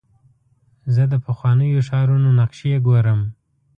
زه د پخوانیو ښارونو نقشې ګورم.